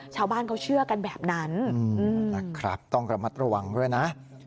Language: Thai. ชาวบ้านเขาเชื่อกันแบบนั้นนะครับต้องระมัดระวังด้วยนะ